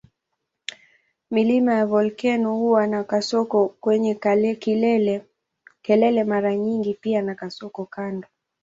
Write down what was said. Milima ya volkeno huwa na kasoko kwenye kelele mara nyingi pia na kasoko kando.